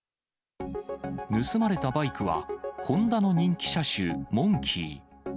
盗まれたバイクはホンダの人気車種、モンキー。